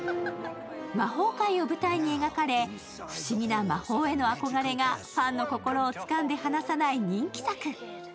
魔法界を舞台に描かれ、不思議な魔法への憧れがファンの心をつかんで離さない人気作。